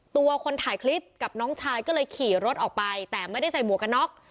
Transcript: ตัวคนถ่ายคลิปกับน้องชายก็เลยขี่รถออกไปแต่ไม่ได้ใส่หมวกกันน็อก